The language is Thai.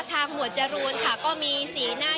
หมวดจรูนค่ะก็มีสีหน้า